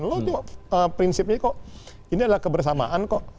lo tuh prinsipnya kok ini adalah kebersamaan kok